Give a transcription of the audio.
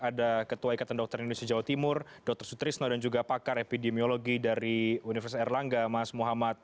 ada ketua ikatan dokter indonesia jawa timur dr sutrisno dan juga pakar epidemiologi dari universitas erlangga mas muhammad